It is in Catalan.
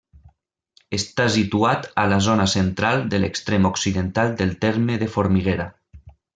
Està situat a la zona central de l'extrem occidental del terme de Formiguera.